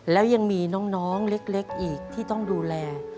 แล้วยังมีน้องเล็กอีกที่ต้องดูแล